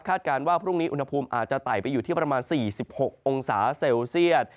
การว่าพรุ่งนี้อุณหภูมิอาจจะไต่ไปอยู่ที่ประมาณ๔๖องศาเซลเซียต